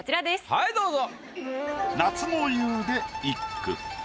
はいどうぞ。